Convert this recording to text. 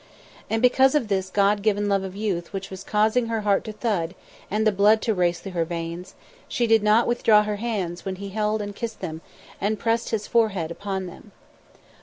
And because of this God given love of youth which was causing her heart to thud and the blood to race through her veins, she did not withdraw her hands when he held and kissed them and pressed his forehead upon them.